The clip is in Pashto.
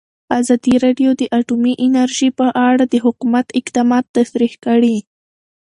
ازادي راډیو د اټومي انرژي په اړه د حکومت اقدامات تشریح کړي.